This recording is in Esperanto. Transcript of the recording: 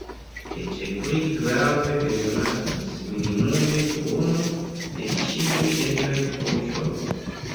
Eĉ pli grave, bezonatas minimume duono de ĉiuj eblaj voĉoj.